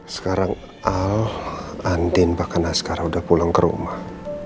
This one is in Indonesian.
sekarang al andin bahkan askara udah pulang ke rumah